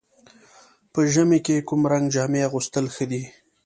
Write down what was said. په ژمي کې کوم رنګ جامې اغوستل ښه دي؟